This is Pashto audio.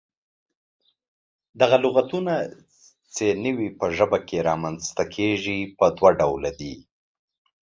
دغه لغتونه چې نوي په ژبه کې رامنځته کيږي، پۀ دوله ډوله دي: